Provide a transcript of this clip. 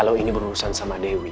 karena bernard sebagai orang lihat